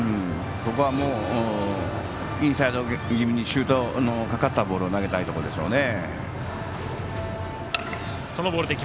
ここはインサイド気味にシュートのかかったボールを投げたいところでしょうね。